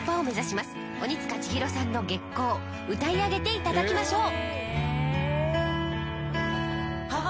「鬼束ちひろさんの『月光』歌い上げていただきましょう」